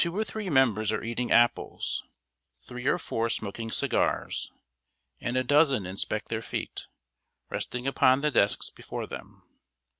] Two or three members are eating apples, three or four smoking cigars, and a dozen inspect their feet, resting upon the desks before them.